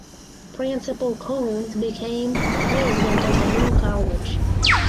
Principal Koons became president of the new college.